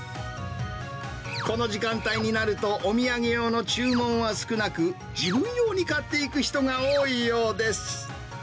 この時間帯になると、お土産用の注文は少なく、自分用に買っていく人が多いようです。